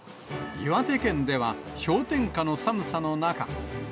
岩手県では、氷点下の寒さの中。